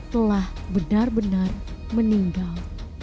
telah benar benar meninggal